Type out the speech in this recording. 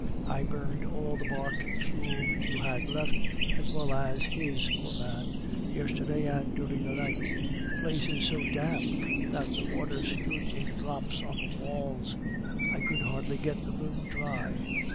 I burned all the bark fuel you had left, as well as his, poor man, yesterday and during the night. The place is so damp that the water stood in drops on the walls; I could hardly get the room dry.